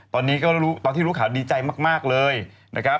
ตอนนี้ก็ตอนที่รู้ข่าวดีใจมากเลยนะครับ